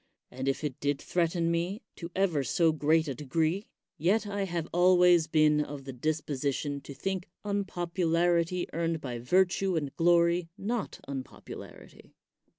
And if it did threaten me to ever so great a degree, yet I have always been of the disposition to think unpopu larity earned by virtue and glory not unpopu larity.